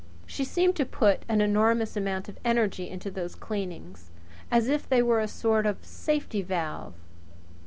She seemed to put an enormous amount of energy into those cleanings as if they were a sort of safety valve.